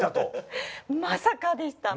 まさかでした！